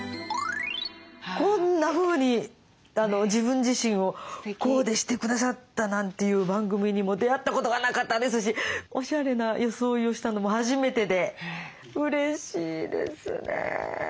こんなふうに自分自身をコーデしてくださったなんていう番組にも出会ったことがなかったですしおしゃれな装いをしたのも初めてでうれしいですね。